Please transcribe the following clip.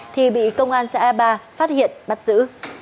thì bị công an xe ai a ba phát hiện bắt giữ